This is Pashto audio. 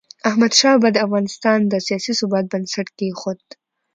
احمدشاه بابا د افغانستان د سیاسي ثبات بنسټ کېښود.